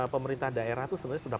pemerintah daerah itu sebenarnya sudah